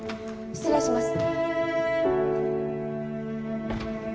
失礼します。